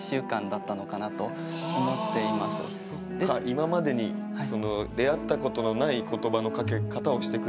今までに出会ったことのない言葉のかけ方をしてくれたんだ？